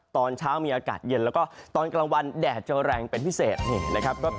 ตอนเช้ามีอากาศเย็นแล้วก็ตอนกลางวันแดดจะแรงเป็นพิเศษนี่นะครับ